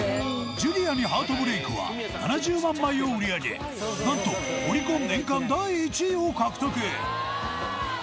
『ジュリアに傷心』は７０万枚を売り上げなんとオリコン年間第１位を獲得！